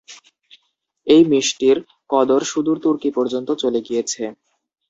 এই মিষ্টির কদর সুদূর তুর্কি পর্যন্ত চলে গিয়েছে।